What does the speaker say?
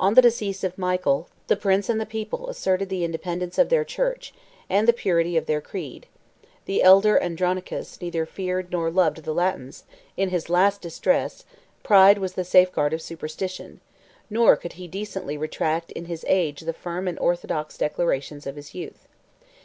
On the decease of Michael, the prince and people asserted the independence of their church, and the purity of their creed: the elder Andronicus neither feared nor loved the Latins; in his last distress, pride was the safeguard of superstition; nor could he decently retract in his age the firm and orthodox declarations of his youth.